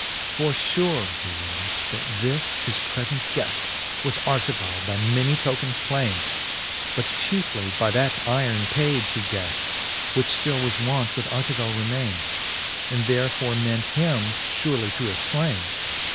XXXIV. For fure he weend, that this his prefent gueft Was Artegall, by many tokens plaine ; But chiefly by that yron page he gheft, Which ftili was wont with Artegall remaine ; And therefore ment him furely to have flaine.